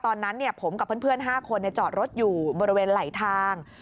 ตอนนั้นผมกับเพื่อน๕คนจอดรถอยู่บริเวณไหลทาง